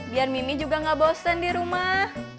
biar mimi juga gak bosen di rumah